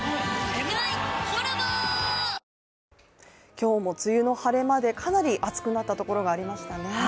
今日も梅雨の晴れ間でかなり暑くなったところがありましたね。